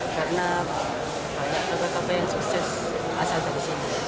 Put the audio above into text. karena banyak kabar kabar yang sukses asal dari sini